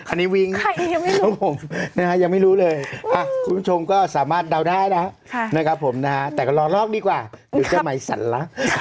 อันนี้วิ้งนะครับผมยังไม่รู้เลยคุณผู้ชมก็สามารถเดาได้นะครับแต่ก็ลองลอกดีกว่าหรือจะใหม่สั่นละ